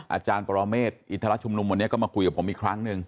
อาจารย์ปรเมฆอินทรชุมนุมวันนี้ก็มาคุยกับผมอีกครั้งหนึ่ง